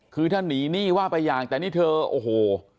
คือถ้าหนีหนี้ว่าไปอย่างแต่นี่เธอโอ้โห